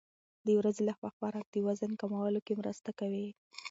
د ورځې لخوا خوراک د وزن کمولو کې مرسته کوي.